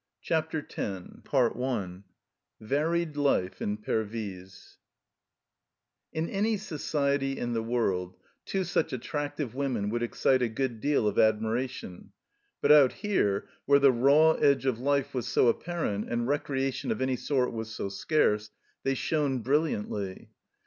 CHAPTER X VARIED LIFE IN PERVYSE IN any society in the world two such attractive women would excite a good deal of admiration, but out here, where the raw edge of life was so apparent and recreation of any sort was so scarce, they shone brilliantly.